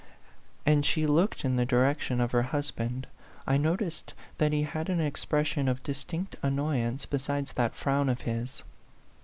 And she looked in the direction of her husband. I noticed that he had an expres sion of distinct annoyance besides that frown of his.